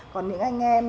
còn những anh em